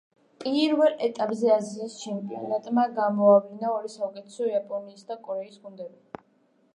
პირველ ეტაპზე აზიის ჩემპიონატმა გამოავლინა ორი საუკეთესო, იაპონიის და კორეის გუნდები.